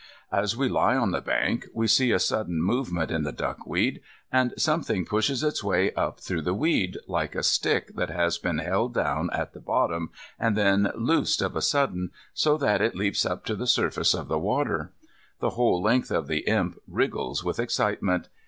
As we lie on the bank, we see a sudden movement in the duckweed, and something pushes its way up through the weed, like a stick that has been held down at the bottom, and then loosed of a sudden, so that it leaps up to the surface of the water. The whole length of the Imp wriggles with excitement.